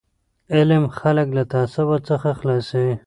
علم خلک له تعصب څخه خلاصوي.